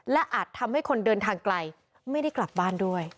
และอาจทำให้คนเดินทางไกลไม่ได้กลับบ้านด้วย